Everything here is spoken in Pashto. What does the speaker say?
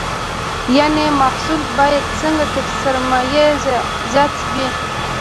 یعنې محصول باید نسبت تر سرمایې زیات وي.